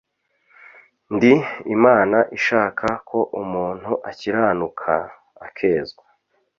ndi imana ishaka ko umuntu akiranuka, akezwa